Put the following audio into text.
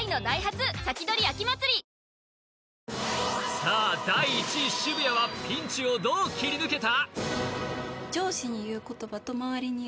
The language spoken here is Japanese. さあ第１位渋谷はピンチをどう切り抜けた？